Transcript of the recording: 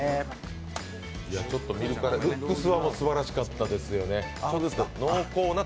見るから、ルックスはすばらしかったですよね。